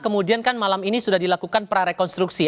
kemudian kan malam ini sudah dilakukan prarekonstruksi